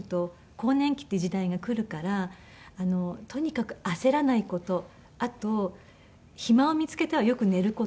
「更年期って時代が来るからとにかく焦らない事」「あと暇を見つけてはよく寝る事」